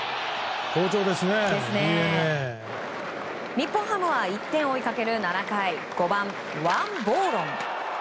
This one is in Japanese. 日本ハムは１点を追いかける７回５番、ワン・ボーロン。